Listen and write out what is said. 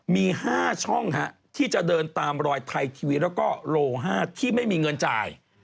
มี๕ช่องที่จะเดินตามรอยไทยทีวีแล้วก็โล๕ที่ไม่มีเงินจ่าย